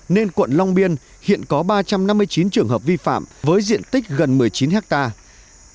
nên quận long biên hiện có ba trăm năm mươi chín trường hợp vi phạm với diện tích gần một mươi chín hectare